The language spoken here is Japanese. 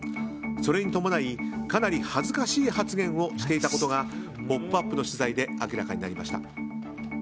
それに伴い、かなり恥ずかしい発言をしていたことが「ポップＵＰ！」の取材で明らかになりました。